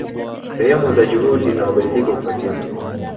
Sehemu za juhudi za mabadiliko kukatizwa